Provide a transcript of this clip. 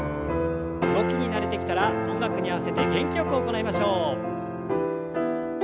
動きに慣れてきたら音楽に合わせて元気よく行いましょう。